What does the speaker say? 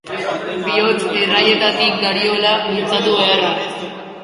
Bihotz-erraietatik dariola mintzatu beharra.